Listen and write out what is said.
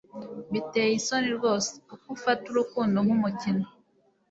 Biteye isoni rwose uko ufata urukundo nkumukino